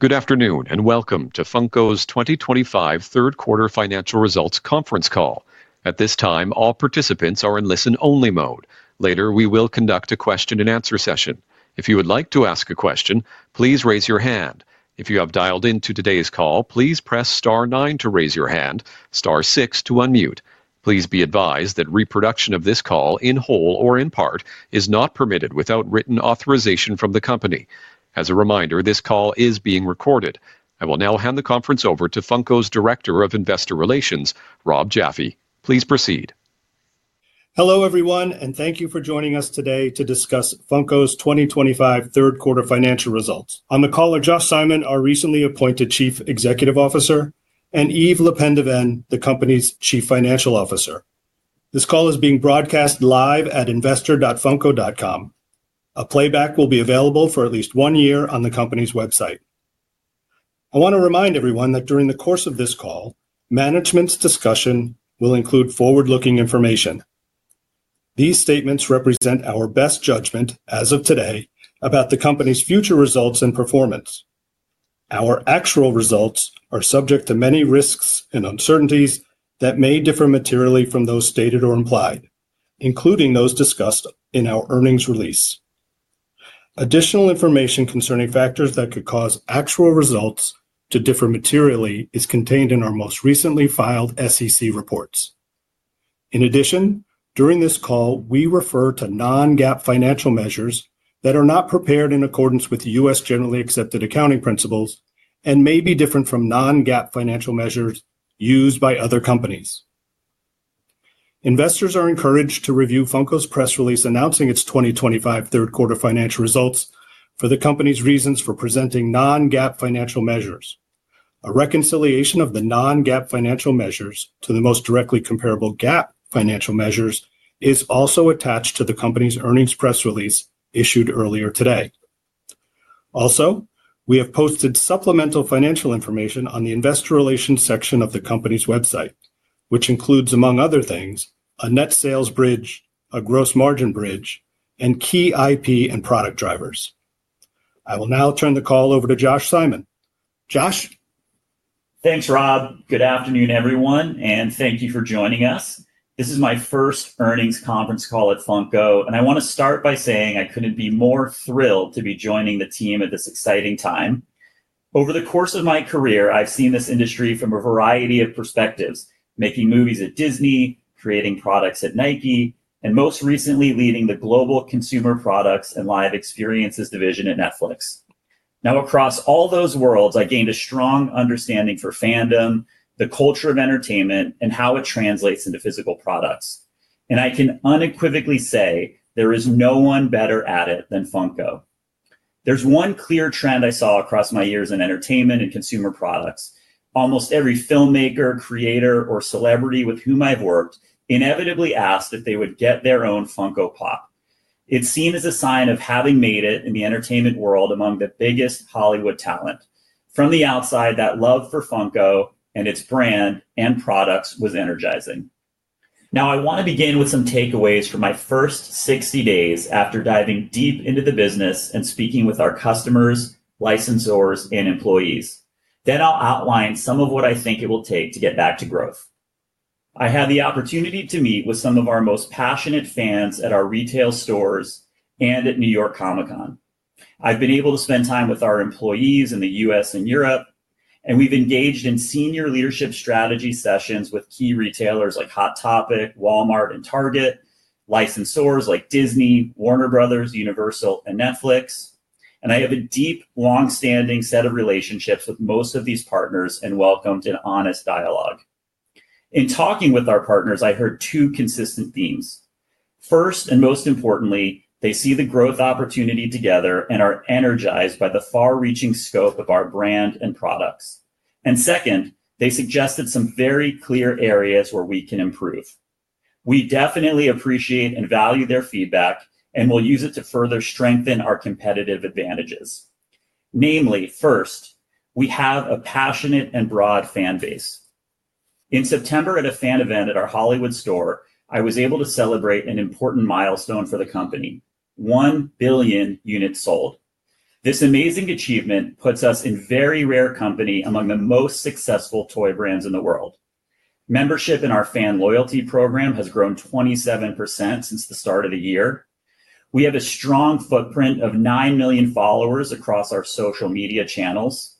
Good afternoon and welcome to Funko's 2025 Third Quarter Financial Results Conference Call. At this time, all participants are in listen-only mode. Later, we will conduct a question and answer session. If you would like to ask a question, please raise your hand. If you have dialed into today's call, please press star nine to raise your hand, star six to unmute. Please be advised that reproduction of this call, in whole or in part, is not permitted without written authorization from the company. As a reminder, this call is being recorded. I will now hand the conference over to Funko's Director of Investor Relations, Rob Jaffe. Please proceed. Hello everyone, and thank you for joining us today to discuss Funko's 2025 Third Quarter Financial Results. On the call are Josh Simon, our recently appointed Chief Executive Officer, and Yves LePendeven, the company's Chief Financial Officer. This call is being broadcast live at investor.funko.com. A playback will be available for at least one year on the company's website. I want to remind everyone that during the course of this call, management's discussion will include forward-looking information. These statements represent our best judgment, as of today, about the company's future results and performance. Our actual results are subject to many risks and uncertainties that may differ materially from those stated or implied, including those discussed in our earnings release. Additional information concerning factors that could cause actual results to differ materially is contained in our most recently filed SEC reports. In addition, during this call, we refer to non-GAAP financial measures that are not prepared in accordance with U.S. generally accepted accounting principles and may be different from non-GAAP financial measures used by other companies. Investors are encouraged to review Funko's press release announcing its 2025 Third Quarter financial results for the company's reasons for presenting non-GAAP financial measures. A reconciliation of the non-GAAP financial measures to the most directly comparable GAAP financial measures is also attached to the company's earnings press release issued earlier today. Also, we have posted supplemental financial information on the investor relations section of the company's website, which includes, among other things, a net sales bridge, a gross margin bridge, and key IP and product drivers. I will now turn the call over to Josh Simon. Josh. Thanks, Rob. Good afternoon, everyone, and thank you for joining us. This is my first earnings conference call at Funko, and I want to start by saying I couldn't be more thrilled to be joining the team at this exciting time. Over the course of my career, I've seen this industry from a variety of perspectives, making movies at Disney, creating products at Nike, and most recently leading the global consumer products and live experiences division at Netflix. Now, across all those worlds, I gained a strong understanding for fandom, the culture of entertainment, and how it translates into physical products. I can unequivocally say there is no one better at it than Funko. There's one clear trend I saw across my years in entertainment and consumer products. Almost every filmmaker, creator, or celebrity with whom I've worked inevitably asked if they would get their own Funko Pop. It's seen as a sign of having made it in the entertainment world among the biggest Hollywood talent. From the outside, that love for Funko and its brand and products was energizing. Now, I want to begin with some takeaways from my first 60 days after diving deep into the business and speaking with our customers, licensors, and employees. Then I'll outline some of what I think it will take to get back to growth. I had the opportunity to meet with some of our most passionate fans at our retail stores and at New York Comic-Con. I've been able to spend time with our employees in the U.S. and Europe, and we've engaged in senior leadership strategy sessions with key retailers like Hot Topic, Walmart, and Target, licensors like Disney, Warner Bros., NBCUniversal, and Netflix. I have a deep, long-standing set of relationships with most of these partners and welcomed an honest dialogue. In talking with our partners, I heard two consistent themes. First, and most importantly, they see the growth opportunity together and are energized by the far-reaching scope of our brand and products. Second, they suggested some very clear areas where we can improve. We definitely appreciate and value their feedback and will use it to further strengthen our competitive advantages. Namely, first, we have a passionate and broad fan base. In September, at a fan event at our Hollywood store, I was able to celebrate an important milestone for the company: 1 billion units sold. This amazing achievement puts us in very rare company among the most successful toy brands in the world. Membership in our fan loyalty program has grown 27% since the start of the year. We have a strong footprint of 9 million followers across our social media channels,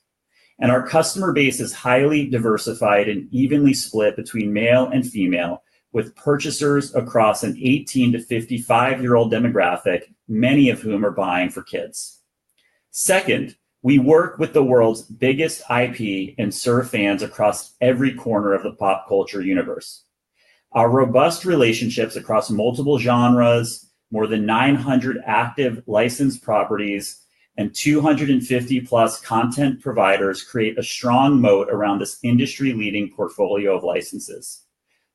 and our customer base is highly diversified and evenly split between male and female, with purchasers across an 18 to 55-year-old demographic, many of whom are buying for kids. Second, we work with the world's biggest IP and serve fans across every corner of the pop culture universe. Our robust relationships across multiple genres, more than 900 active licensed properties, and 250-plus content providers create a strong moat around this industry-leading portfolio of licenses.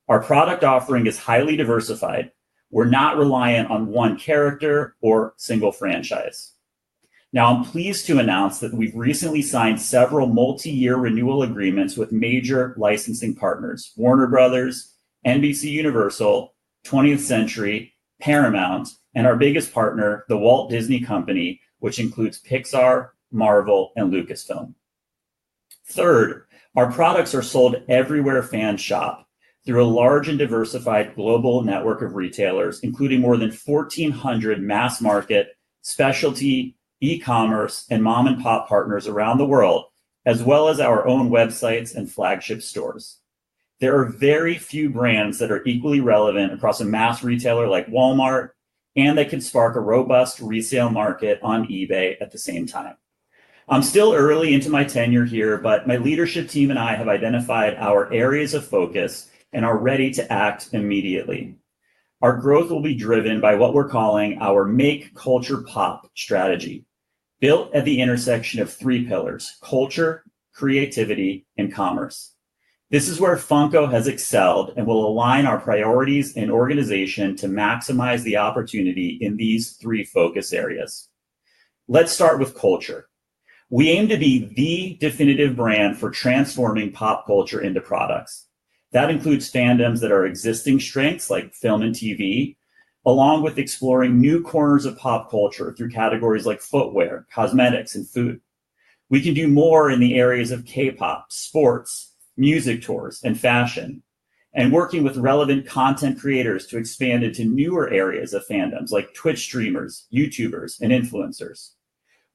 Our product offering is highly diversified. We're not reliant on one character or single franchise. Now, I'm pleased to announce that we've recently signed several multi-year renewal agreements with major licensing partners: Warner Bros., NBCUniversal, 20th Century Studios, Paramount, and our biggest partner, the Walt Disney Company, which includes Pixar, Marvel, and Lucasfilm. Third, our products are sold everywhere fans shop through a large and diversified global network of retailers, including more than 1,400 mass market specialty e-commerce and mom-and-pop partners around the world, as well as our own websites and flagship stores. There are very few brands that are equally relevant across a mass retailer like Walmart and that can spark a robust resale market on eBay at the same time. I'm still early into my tenure here, but my leadership team and I have identified our areas of focus and are ready to act immediately. Our growth will be driven by what we're calling our Make Culture Pop strategy, built at the intersection of three pillars: culture, creativity, and commerce. This is where Funko has excelled and will align our priorities and organization to maximize the opportunity in these three focus areas. Let's start with culture. We aim to be the definitive brand for transforming pop culture into products. That includes fandoms that are existing strengths, like film and TV, along with exploring new corners of pop culture through categories like footwear, cosmetics, and food. We can do more in the areas of K-pop, sports, music tours, and fashion, and working with relevant content creators to expand into newer areas of fandoms like Twitch streamers, YouTubers, and influencers.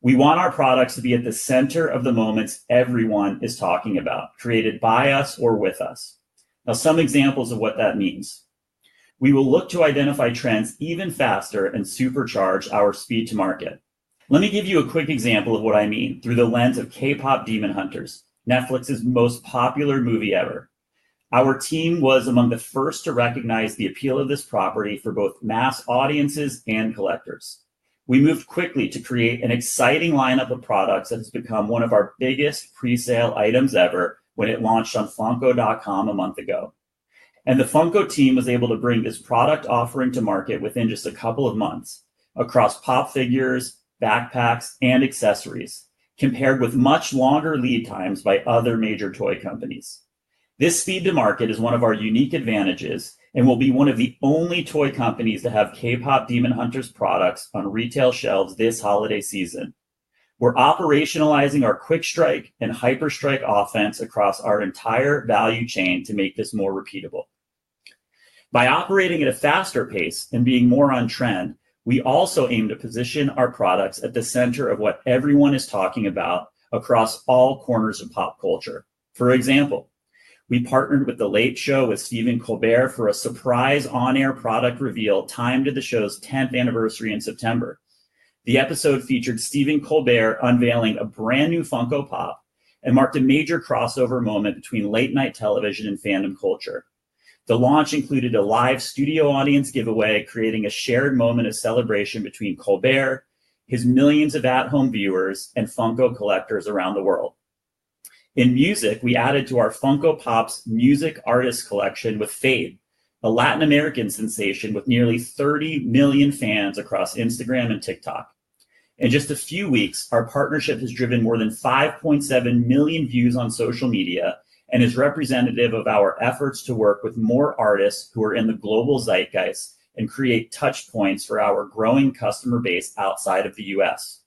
We want our products to be at the center of the moments everyone is talking about, created by us or with us. Now, some examples of what that means. We will look to identify trends even faster and supercharge our speed to market. Let me give you a quick example of what I mean through the lens of K-pop Demon Hunters, Netflix's most popular movie ever. Our team was among the first to recognize the appeal of this property for both mass audiences and collectors. We moved quickly to create an exciting lineup of products that has become one of our biggest pre-sale items ever when it launched on Funko.com a month ago. The Funko team was able to bring this product offering to market within just a couple of months across Pop figures, backpacks, and accessories, compared with much longer lead times by other major toy companies. This speed to market is one of our unique advantages and we will be one of the only toy companies to have K-pop Demon Hunters products on retail shelves this holiday season. We're operationalizing our quick strike and hyper strike offense across our entire value chain to make this more repeatable. By operating at a faster pace and being more on trend, we also aim to position our products at the center of what everyone is talking about across all corners of pop culture. For example, we partnered with The Late Show with Stephen Colbert for a surprise on-air product reveal timed to the show's 10th anniversary in September. The episode featured Stephen Colbert unveiling a brand new Funko Pop and marked a major crossover moment between late-night television and fandom culture. The launch included a live studio audience giveaway, creating a shared moment of celebration between Colbert, his millions of at-home viewers, and Funko collectors around the world. In music, we added to our Funko Pop music artist collection with Feid, a Latin American sensation with nearly 30 million fans across Instagram and TikTok. In just a few weeks, our partnership has driven more than 5.7 million views on social media and is representative of our efforts to work with more artists who are in the global zeitgeist and create touch points for our growing customer base outside of the U.S.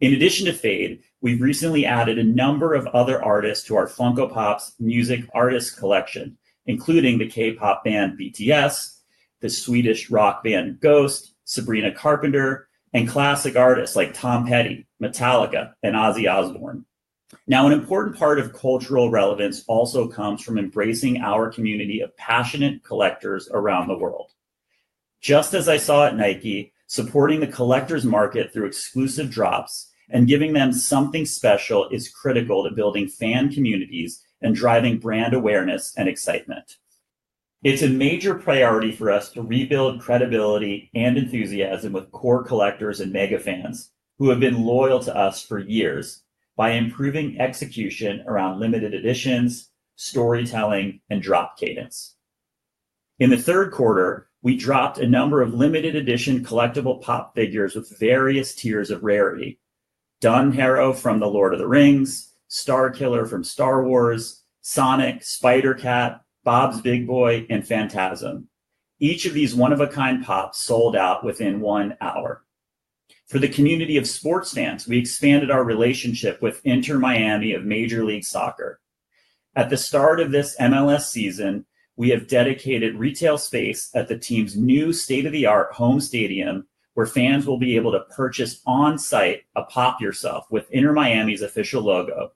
In addition to Feid, we've recently added a number of other artists to our Funko Pop music artist collection, including the K-pop band BTS, the Swedish rock band Ghost, Sabrina Carpenter, and classic artists like Tom Petty, Metallica, and Ozzy Osbourne. Now, an important part of cultural relevance also comes from embracing our community of passionate collectors around the world. Just as I saw at Nike, supporting the collectors market through exclusive drops and giving them something special is critical to building fan communities and driving brand awareness and excitement. It's a major priority for us to rebuild credibility and enthusiasm with core collectors and mega fans who have been loyal to us for years by improving execution around limited editions, storytelling, and drop cadence. In the third quarter, we dropped a number of limited edition collectible Pop figures with various tiers of rarity: Dunharrow from The Lord of the Rings, Starkiller from Star Wars, Sonic, Spider-Cat, Bob's Big Boy, and Phantasm. Each of these one-of-a-kind Pops sold out within one hour. For the community of sports fans, we expanded our relationship with Inter Miami of Major League Soccer. At the start of this MLS season, we have dedicated retail space at the team's new state-of-the-art home stadium where fans will be able to purchase on-site a Pop! Yourself with Inter Miami's official logo,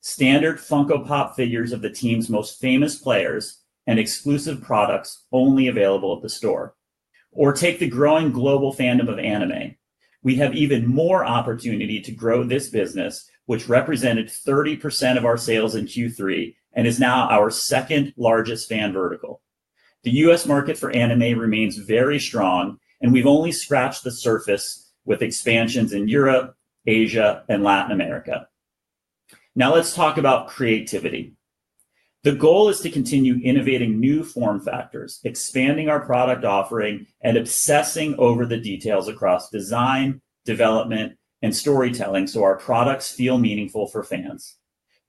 standard Funko Pop figures of the team's most famous players, and exclusive products only available at the store. Or take the growing global fandom of anime. We have even more opportunity to grow this business, which represented 30% of our sales in Q3 and is now our second largest fan vertical. The U.S. market for anime remains very strong, and we've only scratched the surface with expansions in Europe, Asia, and Latin America. Now let's talk about creativity. The goal is to continue innovating new form factors, expanding our product offering, and obsessing over the details across design, development, and storytelling so our products feel meaningful for fans.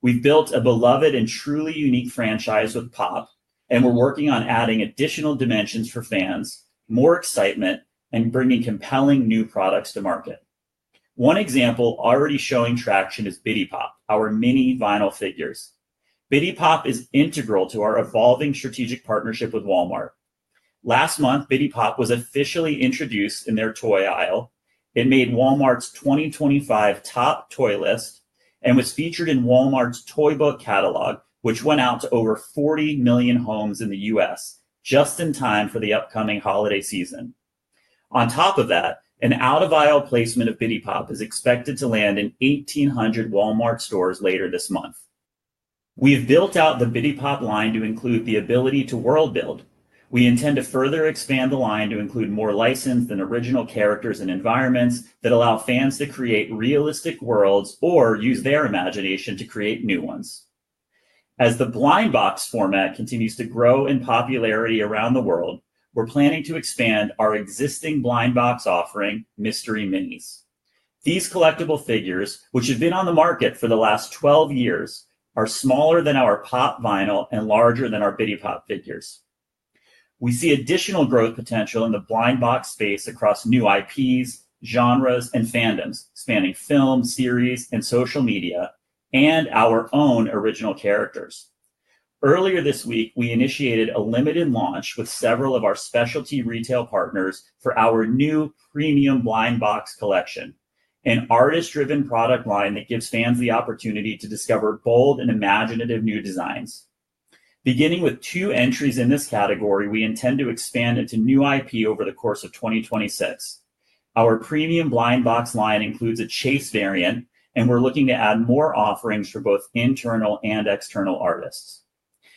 We've built a beloved and truly unique franchise with Pop, and we're working on adding additional dimensions for fans, more excitement, and bringing compelling new products to market. One example already showing traction is Biddy Pop, our mini vinyl figures. Biddy Pop is integral to our evolving strategic partnership with Walmart. Last month, Biddy Pop was officially introduced in their toy aisle. It made Walmart's 2025 top toy list and was featured in Walmart's toy book catalog, which went out to over 40 million homes in the U.S., just in time for the upcoming holiday season. On top of that, an out-of-aisle placement of Biddy Pop is expected to land in 1,800 Walmart stores later this month. We have built out the Biddy Pop line to include the ability to world build. We intend to further expand the line to include more licensed than original characters and environments that allow fans to create realistic worlds or use their imagination to create new ones. As the blind box format continues to grow in popularity around the world, we're planning to expand our existing blind box offering, Mystery Minis. These collectible figures, which have been on the market for the last 12 years, are smaller than our Pop vinyl and larger than our Biddy Pop figures. We see additional growth potential in the blind box space across new IPs, genres, and fandoms spanning film, series, and social media, and our own original characters. Earlier this week, we initiated a limited launch with several of our specialty retail partners for our new premium blind box collection, an artist-driven product line that gives fans the opportunity to discover bold and imaginative new designs. Beginning with two entries in this category, we intend to expand into new IP over the course of 2026. Our premium blind box line includes a chase variant, and we're looking to add more offerings for both internal and external artists.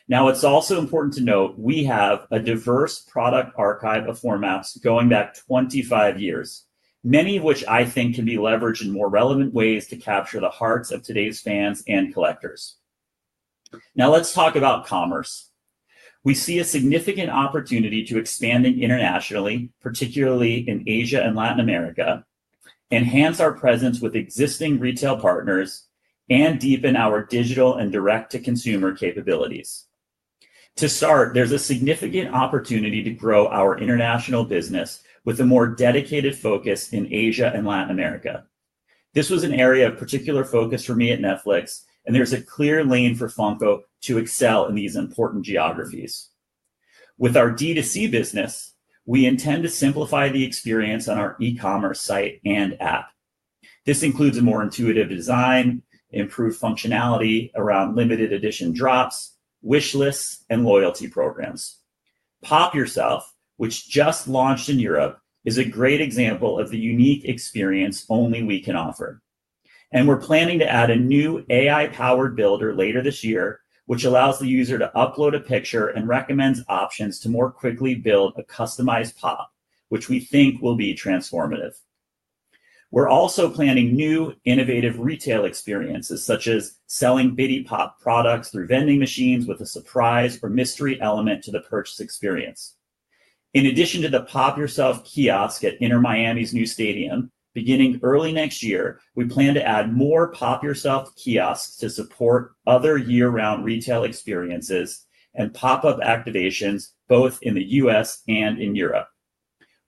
Now, it's also important to note we have a diverse product archive of formats going back 25 years, many of which I think can be leveraged in more relevant ways to capture the hearts of today's fans and collectors. Now, let's talk about commerce. We see a significant opportunity to expand internationally, particularly in Asia and Latin America, enhance our presence with existing retail partners, and deepen our digital and direct-to-consumer capabilities. To start, there's a significant opportunity to grow our international business with a more dedicated focus in Asia and Latin America. This was an area of particular focus for me at Netflix, and there is a clear lane for Funko to excel in these important geographies. With our D2C business, we intend to simplify the experience on our e-commerce site and app. This includes a more intuitive design, improved functionality around limited edition drops, wish lists, and loyalty programs. Pop Yourself, which just launched in Europe, is a great example of the unique experience only we can offer. We are planning to add a new AI-powered builder later this year, which allows the user to upload a picture and recommends options to more quickly build a customized pop, which we think will be transformative. We are also planning new innovative retail experiences, such as selling Biddy Pop products through vending machines with a surprise or mystery element to the purchase experience. In addition to the Pop Yourself kiosk at Inter Miami's new stadium, beginning early next year, we plan to add more Pop Yourself kiosks to support other year-round retail experiences and pop-up activations both in the U.S. and in Europe.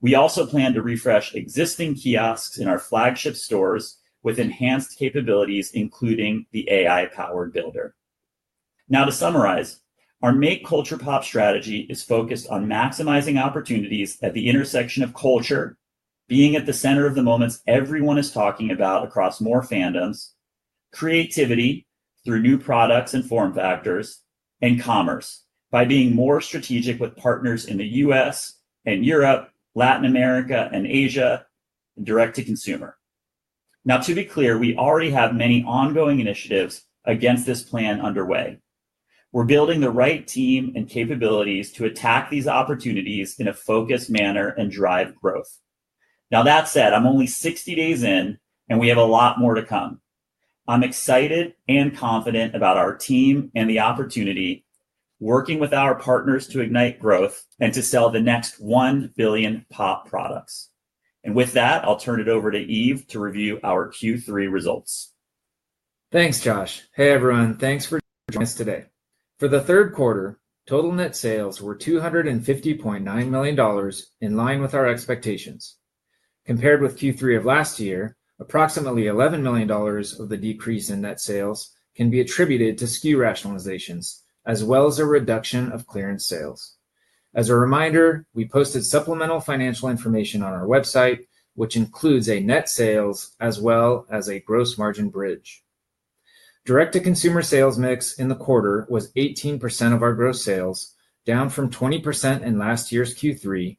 We also plan to refresh existing kiosks in our flagship stores with enhanced capabilities, including the AI-powered builder. Now, to summarize, our Make Culture Pop strategy is focused on maximizing opportunities at the intersection of culture, being at the center of the moments everyone is talking about across more fandoms, creativity through new products and form factors, and commerce by being more strategic with partners in the U.S., Europe, Latin America, and Asia, and direct-to-consumer. Now, to be clear, we already have many ongoing initiatives against this plan underway. We're building the right team and capabilities to attack these opportunities in a focused manner and drive growth. Now, that said, I'm only 60 days in, and we have a lot more to come. I'm excited and confident about our team and the opportunity working with our partners to ignite growth and to sell the next 1 billion Pop products. With that, I'll turn it over to Yves to review our Q3 results. Thanks, Josh. Hey, everyone. Thanks for joining us today. For the third quarter, total net sales were $250.9 million, in line with our expectations. Compared with Q3 of last year, approximately $11 million of the decrease in net sales can be attributed to SKU rationalizations, as well as a reduction of clearance sales. As a reminder, we posted supplemental financial information on our website, which includes net sales as well as a gross margin bridge. Direct-to-consumer sales mix in the quarter was 18% of our gross sales, down from 20% in last year's Q3,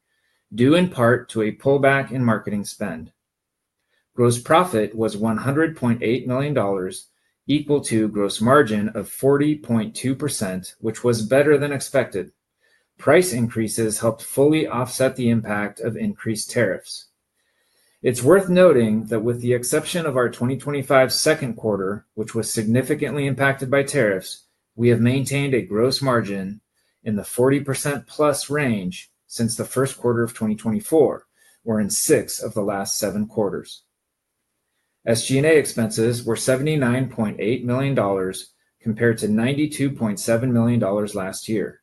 due in part to a pullback in marketing spend. Gross profit was $100.8 million, equal to a gross margin of 40.2%, which was better than expected. Price increases helped fully offset the impact of increased tariffs. It's worth noting that with the exception of our 2025 second quarter, which was significantly impacted by tariffs, we have maintained a gross margin in the 40% plus range since the first quarter of 2024, or in six of the last seven quarters. SG&A expenses were $79.8 million, compared to $92.7 million last year.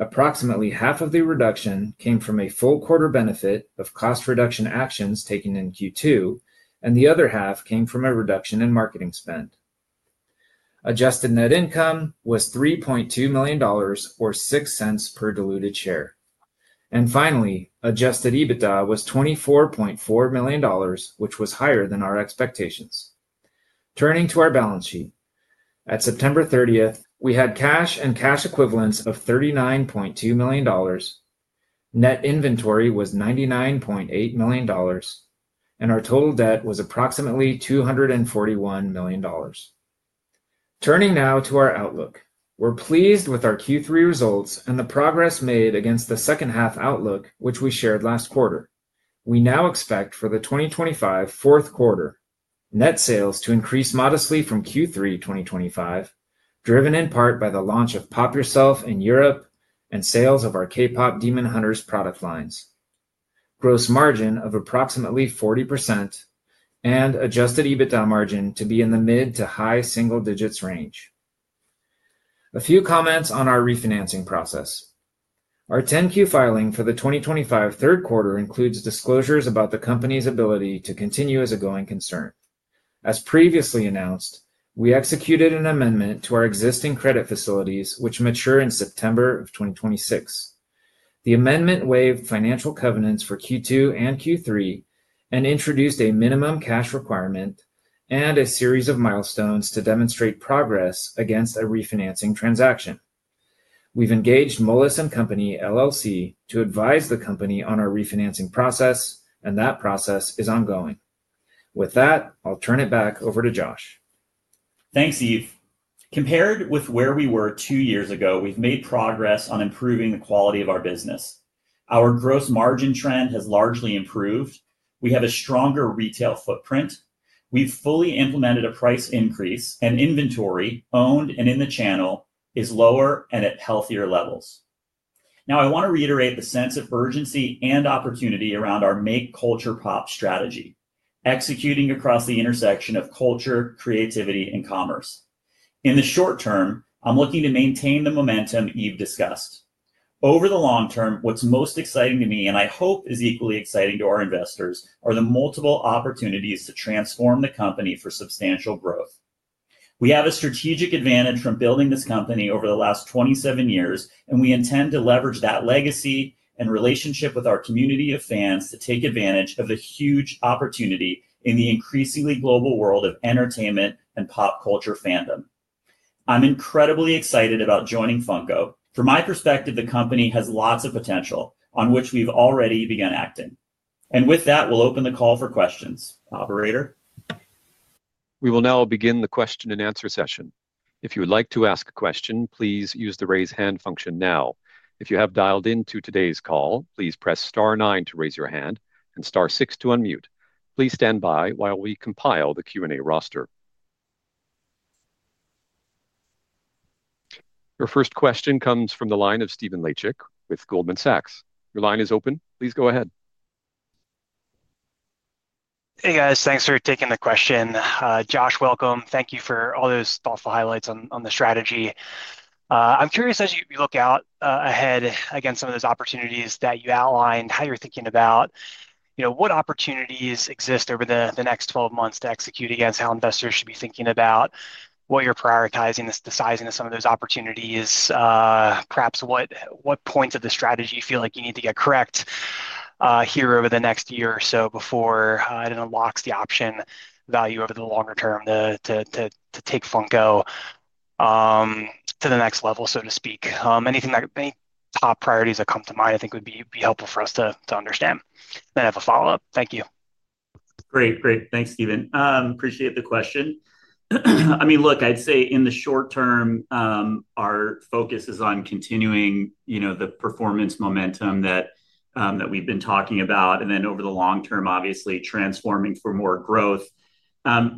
Approximately half of the reduction came from a full quarter benefit of cost reduction actions taken in Q2, and the other half came from a reduction in marketing spend. Adjusted net income was $3.2 million, or 6 cents per diluted share. Finally, adjusted EBITDA was $24.4 million, which was higher than our expectations. Turning to our balance sheet, at September 30, we had cash and cash equivalents of $39.2 million. Net inventory was $99.8 million. Our total debt was approximately $241 million. Turning now to our outlook, we're pleased with our Q3 results and the progress made against the second-half outlook, which we shared last quarter. We now expect for the 2025 fourth quarter, net sales to increase modestly from Q3 2025, driven in part by the launch of Pop Yourself in Europe and sales of our K-pop Demon Hunters product lines. Gross margin of approximately 40%. Adjusted EBITDA margin to be in the mid to high single digits range. A few comments on our refinancing process. Our 10Q filing for the 2025 third quarter includes disclosures about the company's ability to continue as a going concern. As previously announced, we executed an amendment to our existing credit facilities, which mature in September of 2026. The amendment waived financial covenants for Q2 and Q3 and introduced a minimum cash requirement and a series of milestones to demonstrate progress against a refinancing transaction. We've engaged Moelis & Company to advise the company on our refinancing process, and that process is ongoing. With that, I'll turn it back over to Josh. Thanks, Yves. Compared with where we were two years ago, we've made progress on improving the quality of our business. Our gross margin trend has largely improved. We have a stronger retail footprint. We've fully implemented a price increase, and inventory owned and in the channel is lower and at healthier levels. Now, I want to reiterate the sense of urgency and opportunity around our Make Culture Pop strategy, executing across the intersection of culture, creativity, and commerce. In the short term, I'm looking to maintain the momentum Yves discussed. Over the long term, what's most exciting to me, and I hope is equally exciting to our investors, are the multiple opportunities to transform the company for substantial growth. We have a strategic advantage from building this company over the last 27 years, and we intend to leverage that legacy and relationship with our community of fans to take advantage of the huge opportunity in the increasingly global world of entertainment and pop culture fandom. I'm incredibly excited about joining Funko. From my perspective, the company has lots of potential, on which we've already begun acting. With that, we'll open the call for questions, Operator. We will now begin the question and answer session. If you would like to ask a question, please use the raise hand function now. If you have dialed into today's call, please press star nine to raise your hand and star six to unmute. Please stand by while we compile the Q and A roster. Your first question comes from the line of Steven Lachick with Goldman Sachs. Your line is open. Please go ahead. Hey, guys. Thanks for taking the question. Josh, welcome. Thank you for all those thoughtful highlights on the strategy. I'm curious, as you look out ahead against some of those opportunities that you outlined, how you're thinking about what opportunities exist over the next 12 months to execute against how investors should be thinking about what you're prioritizing, the sizing of some of those opportunities. Perhaps what points of the strategy you feel like you need to get correct here over the next year or so before it unlocks the option value over the longer term to take Funko to the next level, so to speak. Any top priorities that come to mind, I think, would be helpful for us to understand. I have a follow-up. Thank you. Great, great. Thanks, Steven. Appreciate the question. I mean, look, I'd say in the short term our focus is on continuing the performance momentum that we've been talking about. Over the long term, obviously, transforming for more growth.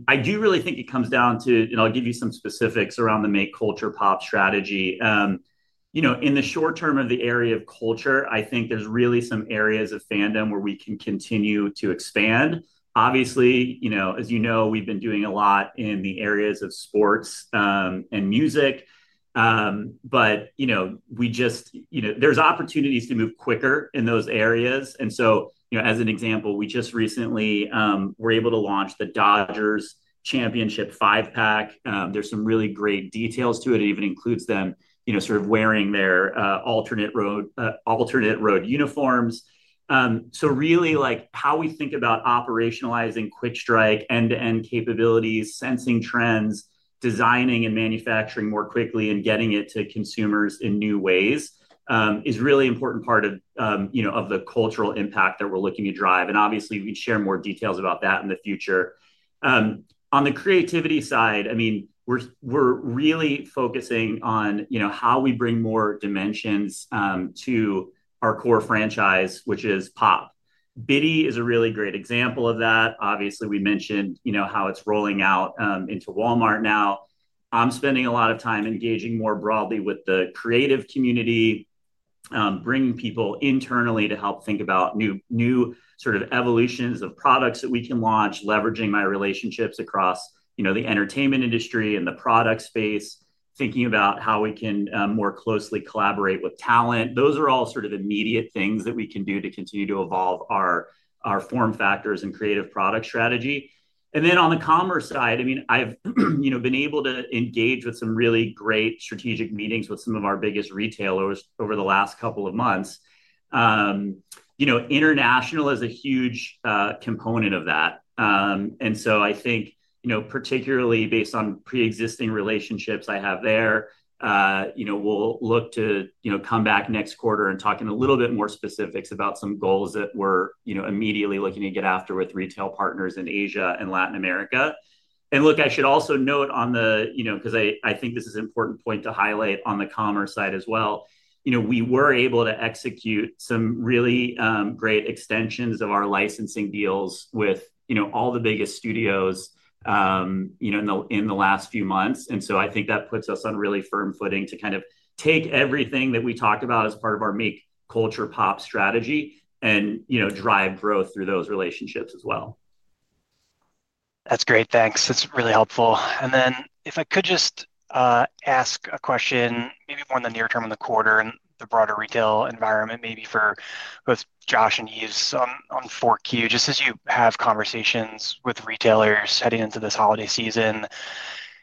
I do really think it comes down to, and I'll give you some specifics around the Make Culture Pop strategy. In the short term of the area of culture, I think there's really some areas of fandom where we can continue to expand. Obviously, as you know, we've been doing a lot in the areas of sports and music. There are opportunities to move quicker in those areas. As an example, we just recently were able to launch the Dodgers Championship Five Pack. There are some really great details to it. It even includes them sort of wearing their alternate road uniforms. Really, how we think about operationalizing Quick Strike, end-to-end capabilities, sensing trends, designing and manufacturing more quickly, and getting it to consumers in new ways is a really important part of the cultural impact that we're looking to drive. Obviously, we can share more details about that in the future. On the creativity side, I mean, we're really focusing on how we bring more dimensions to our core franchise, which is Pop. Biddy is a really great example of that. Obviously, we mentioned how it's rolling out into Walmart now. I'm spending a lot of time engaging more broadly with the creative community. Bringing people internally to help think about new sort of evolutions of products that we can launch, leveraging my relationships across the entertainment industry and the product space, thinking about how we can more closely collaborate with talent. Those are all sort of immediate things that we can do to continue to evolve our form factors and creative product strategy. On the commerce side, I mean, I've been able to engage with some really great strategic meetings with some of our biggest retailers over the last couple of months. International is a huge component of that. I think. Particularly based on pre-existing relationships I have there, we'll look to come back next quarter and talk in a little bit more specifics about some goals that we're immediately looking to get after with retail partners in Asia and Latin America. I should also note on the, because I think this is an important point to highlight on the commerce side as well, we were able to execute some really great extensions of our licensing deals with all the biggest studios in the last few months. I think that puts us on really firm footing to kind of take everything that we talked about as part of our Make Culture Pop strategy and drive growth through those relationships as well. That's great. Thanks. That's really helpful. If I could just. Ask a question, maybe more in the near term in the quarter and the broader retail environment, maybe for both Josh and Yves on 4Q, just as you have conversations with retailers heading into this holiday season,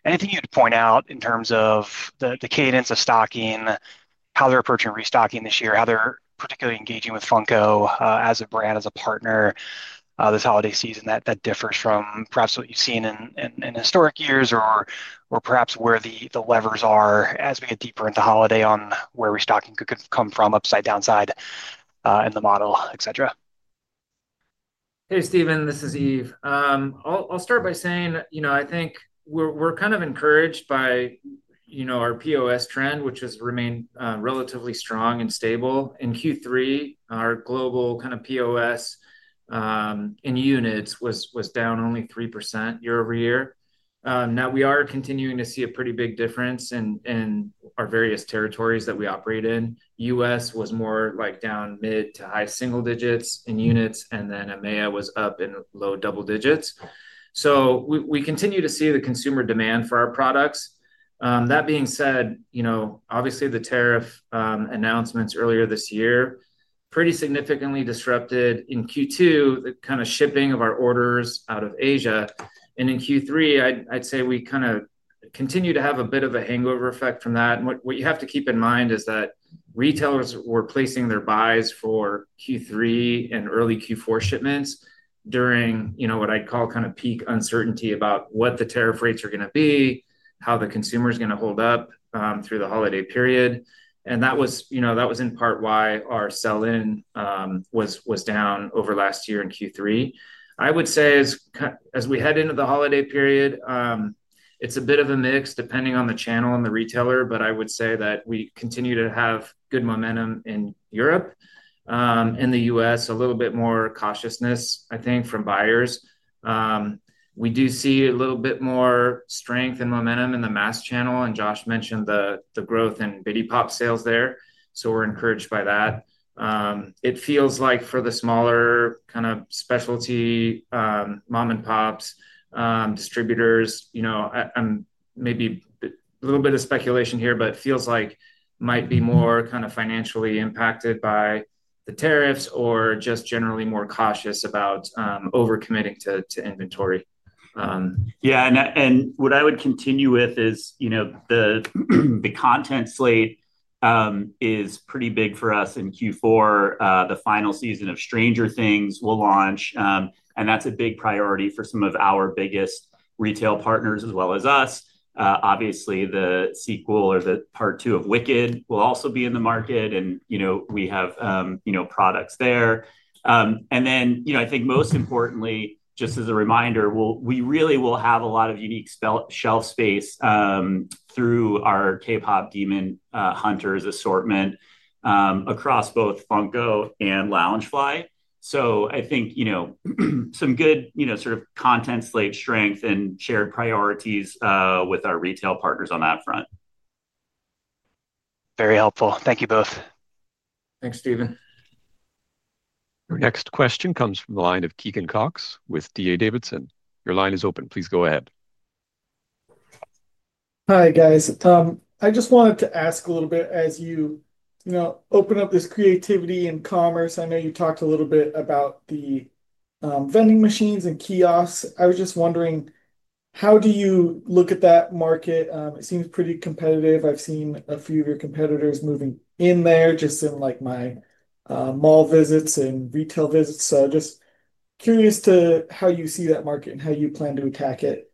anything you'd point out in terms of the cadence of stocking, how they're approaching restocking this year, how they're particularly engaging with Funko as a brand, as a partner. This holiday season that differs from perhaps what you've seen in historic years, or perhaps where the levers are as we get deeper into the holiday on where restocking could come from, upside, downside, and the model, et cetera. Hey, Steven, this is Yves. I'll start by saying I think we're kind of encouraged by our POS trend, which has remained relatively strong and stable. In Q3, our global kind of POS in units was down only 3% year over year. Now, we are continuing to see a pretty big difference in our various territories that we operate in. U.S. was more like down mid to high single digits in units, and then EMEA was up in low double digits. We continue to see the consumer demand for our products. That being said, obviously, the tariff announcements earlier this year pretty significantly disrupted in Q2 the kind of shipping of our orders out of Asia. In Q3, I'd say we kind of continue to have a bit of a hangover effect from that. What you have to keep in mind is that retailers were placing their buys for Q3 and early Q4 shipments during what I'd call kind of peak uncertainty about what the tariff rates are going to be, how the consumer is going to hold up through the holiday period. That was in part why our sell-in was down over last year in Q3. I would say as we head into the holiday period, it's a bit of a mix depending on the channel and the retailer, but I would say that we continue to have good momentum in Europe. In the U.S., a little bit more cautiousness, I think, from buyers. We do see a little bit more strength and momentum in the mass channel. Josh mentioned the growth in Biddy Pop sales there. We are encouraged by that. It feels like for the smaller kind of specialty, Mom-and-Pops, distributors, maybe a little bit of speculation here, but it feels like they might be more kind of financially impacted by the tariffs or just generally more cautious about overcommitting to inventory. What I would continue with is the content slate is pretty big for us in Q4. The final season of Stranger Things will launch. That is a big priority for some of our biggest retail partners as well as us. Obviously, the sequel or the part two of Wicked will also be in the market. We have products there. I think most importantly, just as a reminder, we really will have a lot of unique shelf space through our KPop Demon Hunters assortment across both Funko and Loungefly. I think some good sort of content slate strength and shared priorities with our retail partners on that front. Very helpful. Thank you both. Thanks, Steven. Our next question comes from the line of Keegan Cox with D.A. Davidson. Your line is open. Please go ahead. Hi, guys. I just wanted to ask a little bit as you open up this creativity in commerce. I know you talked a little bit about the vending machines and kiosks. I was just wondering, how do you look at that market? It seems pretty competitive. I've seen a few of your competitors moving in there just in my mall visits and retail visits. Just curious to how you see that market and how you plan to attack it.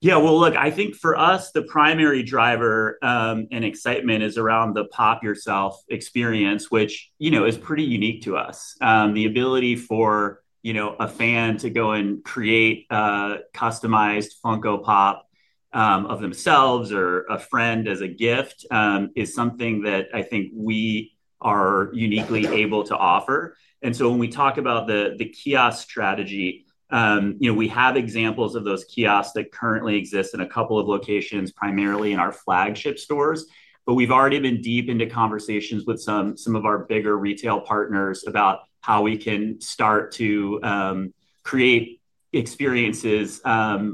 Yeah. I think for us, the primary driver and excitement is around the Pop Yourself experience, which is pretty unique to us. The ability for a fan to go and create a customized Funko Pop of themselves or a friend as a gift is something that I think we are uniquely able to offer. When we talk about the kiosk strategy, we have examples of those kiosks that currently exist in a couple of locations, primarily in our flagship stores. We have already been deep into conversations with some of our bigger retail partners about how we can start to create experiences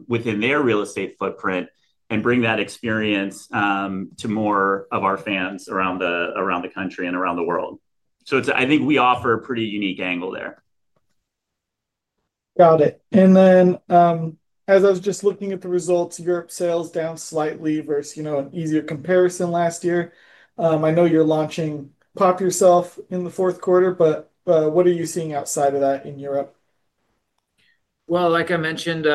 within their real estate footprint and bring that experience to more of our fans around the country and around the world. I think we offer a pretty unique angle there. Got it. As I was just looking at the results, Europe sales down slightly versus an easier comparison last year. I know you are launching Pop Yourself in the fourth quarter, but what are you seeing outside of that in Europe? Like I mentioned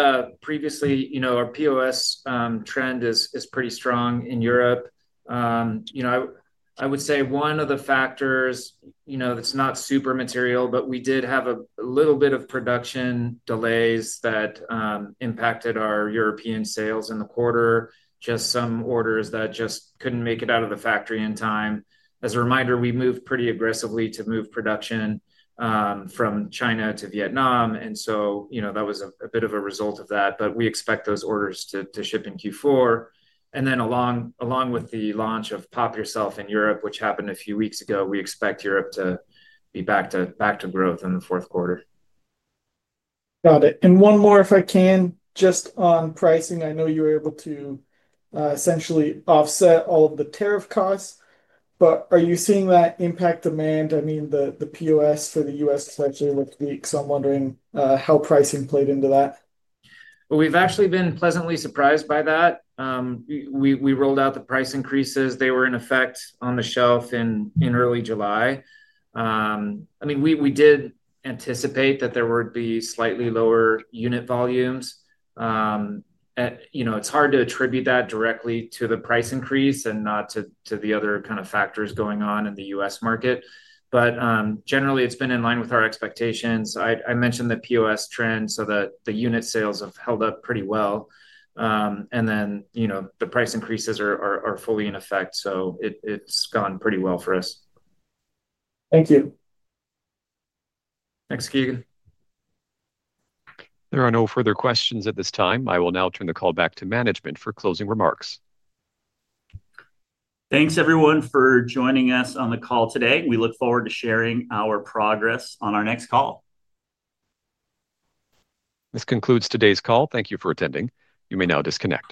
previously, our POS trend is pretty strong in Europe. I would say one of the factors that is not super material, but we did have a little bit of production delays that impacted our European sales in the quarter, just some orders that just couldn't make it out of the factory in time. As a reminder, we moved pretty aggressively to move production from China to Vietnam. That was a bit of a result of that. We expect those orders to ship in Q4. Along with the launch of Pop Yourself in Europe, which happened a few weeks ago, we expect Europe to be back to growth in the fourth quarter. Got it. One more, if I can, just on pricing. I know you were able to essentially offset all of the tariff costs. Are you seeing that impact demand? I mean, the POS for the U.S. is actually a little weak. I'm wondering how pricing played into that. We've actually been pleasantly surprised by that. We rolled out the price increases. They were in effect on the shelf in early July. I mean, we did anticipate that there would be slightly lower unit volumes. It's hard to attribute that directly to the price increase and not to the other kind of factors going on in the U.S. market. Generally, it's been in line with our expectations. I mentioned the POS trend, so the unit sales have held up pretty well. The price increases are fully in effect. It's gone pretty well for us. Thank you. Thanks, Keegan. There are no further questions at this time. I will now turn the call back to management for closing remarks. Thanks, everyone, for joining us on the call today. We look forward to sharing our progress on our next call. This concludes today's call. Thank you for attending. You may now disconnect.